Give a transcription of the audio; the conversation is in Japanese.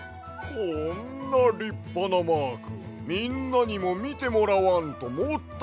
こんなりっぱなマークみんなにもみてもらわんともったいないわ！